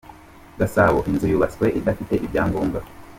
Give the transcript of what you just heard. Gasabo Inzu yubatswe idafite ibyangobwa